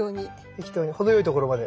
適当に程よいところまで。